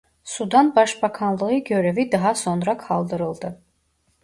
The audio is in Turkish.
Sudan Başbakanlığı görevi daha sonra kaldırıldı.